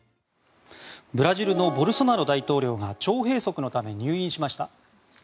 ブラジルのボルソナロ大統領が腸閉そくのため入院しました。